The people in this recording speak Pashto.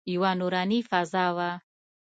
یوه نوراني فضا وه.